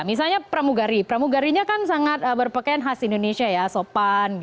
misalnya pramugari pramugarinya kan sangat berpakaian khas indonesia ya sopan